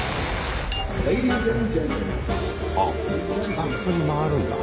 あっスタッフに回るんだ。